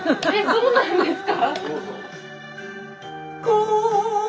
そうなんですか？